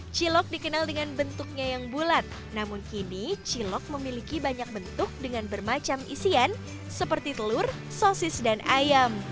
cilok dikenal dengan bentuknya yang bulat namun kini cilok memiliki banyak bentuk dengan bermacam isian seperti telur sosis dan ayam